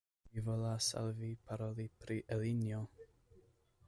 Mi volas al Vi paroli pri Elinjo!